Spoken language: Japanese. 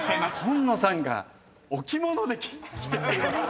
紺野さんがお着物で来てくれました。